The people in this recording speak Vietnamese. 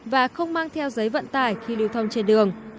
và không mang theo giấy vận tải khi lưu thông trên đường